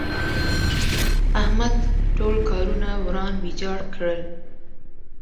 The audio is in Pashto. احمد ټول کارونه وران ويجاړ کړل.